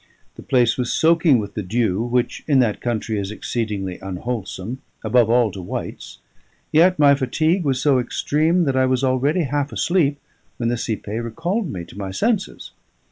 The place was soaking with the dew, which, in that country, is exceedingly unwholesome, above all to whites; yet my fatigue was so extreme that I was already half asleep, when the cipaye recalled me to my senses.